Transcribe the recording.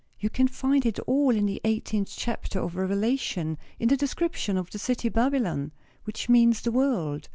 "You can find it all in the eighteenth chapter of Revelation, in the description of the city Babylon; which means the world."